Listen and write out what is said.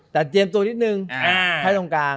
แต่เตรียมตัวนิดนึงให้ตรงกลาง